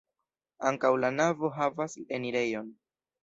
Ankaŭ la navo havas enirejon.